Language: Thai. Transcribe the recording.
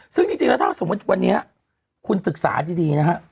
ซึ่งจริงแล้วถ้าสมมุติวันนี้คุณศึกษาดีนะฮะ